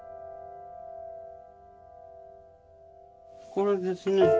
これですね。